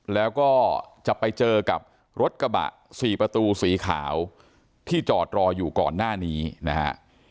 แล้วก็จะไปเจอกับรถกระบะสี่ประตูสีขาวที่จอดรออยู่ก่อนหน้านี้นะฮะ